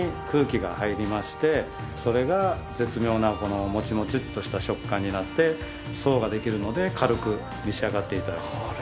それが絶妙なもちもちっとした食感になって層ができるので軽く召し上がって頂けます。